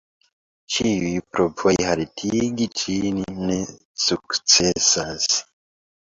Ĉiuj provoj haltigi ĝin ne sukcesas.